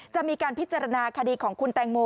จะมีการพิจารณาคดีของคุณแตงโม